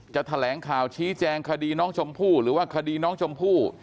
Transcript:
แถลงข่าวชี้แจงคดีน้องชมพู่หรือว่าคดีน้องชมพู่